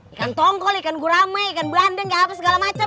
ikan tongkol ikan gurame ikan bandeng gak apa segala macam